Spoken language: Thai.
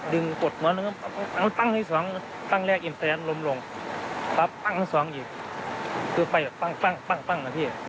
ดึงปลดถนะคะตั้งไม่สองตั้งแรกอินแสล้มลง